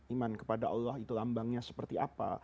iman kepada allah itu lambangnya seperti apa